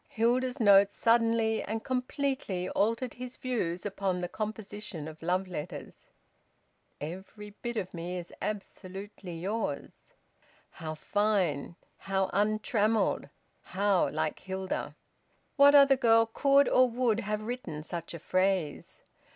Hilda's note suddenly and completely altered his views upon the composition of love letters. "Every bit of me is absolutely yours." How fine, how untrammelled, how like Hilda! What other girl could or would have written such a phrase?